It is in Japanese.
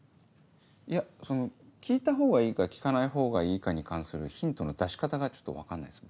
いやその聞いたほうがいいか聞かないほうがいいかに関するヒントの出し方がちょっと分かんないです僕。